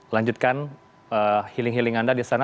lanjutkan healing healing anda di sana